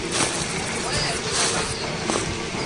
我也不能幫你們